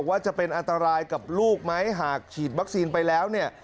ว่าจะเป็นอันตรายกับลูกไหมหากฉีดวัคซีนไปแล้วเนี่ย